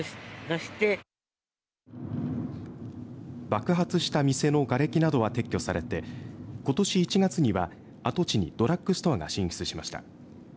爆発した店のがれきなどは撤去されてことし１月には跡地にドラッグストアが進出しました。